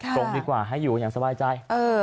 ตรงดีกว่าให้อยู่อย่างสบายใจ